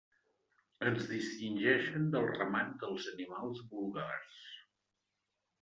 Ens distingeixen del ramat dels animals vulgars.